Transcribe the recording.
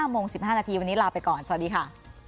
โมง๑๕นาทีวันนี้ลาไปก่อนสวัสดีค่ะ